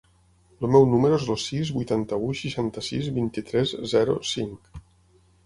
El meu número es el sis, vuitanta-u, seixanta-sis, vint-i-tres, zero, cinc.